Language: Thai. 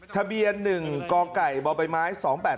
ทะเบียน๑กไก่เบาใบไม้๒๘๕๘